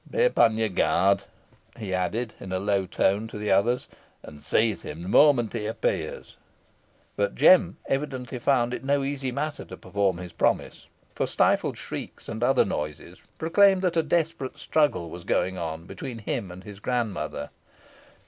"Be upon your guard," he added, in a low tone to the others, "and seize him the moment he appears." But Jem evidently found it no easy matter to perform his promise, for stifled shrieks and other noises proclaimed that a desperate struggle was going on between him and his grandmother.